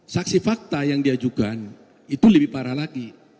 saksi fakta yang diajukan itu lebih parah lagi